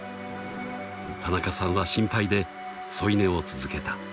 ［田中さんは心配で添い寝を続けた］